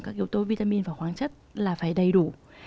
các yếu tố vitamin và khoáng chất là phải đầy đủ